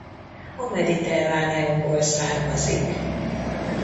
A Mediterráneumból származik.